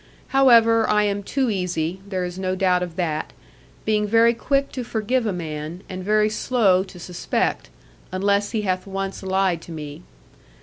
However, I am too easy, there is no doubt of that, being very quick to forgive a man, and very slow to suspect, unless he hath once lied to me.